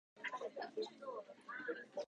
おはよう朝だね